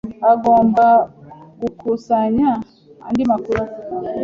Ugomba gukusanya andi makuru.